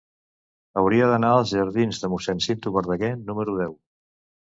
Hauria d'anar als jardins de Mossèn Cinto Verdaguer número deu.